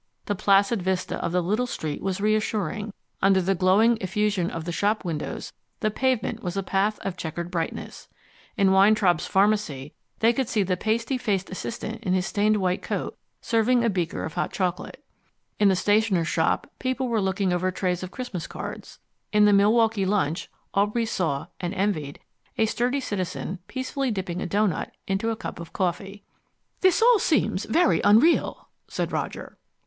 The placid vista of the little street was reassuring. Under the glowing effusion of the shop windows the pavement was a path of checkered brightness. In Weintraub's pharmacy they could see the pasty faced assistant in his stained white coat serving a beaker of hot chocolate. In the stationer's shop people were looking over trays of Christmas cards. In the Milwaukee Lunch Aubrey saw (and envied) a sturdy citizen peacefully dipping a doughnut into a cup of coffee. "This all seems very unreal," said Roger.